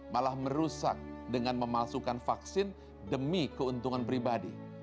malah merusak dengan memasukkan vaksin demi keuntungan pribadi